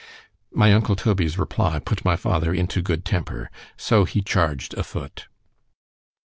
_ My uncle Toby's reply put my father into good temper—so he charg'd o' foot.